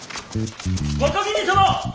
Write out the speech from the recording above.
若君様！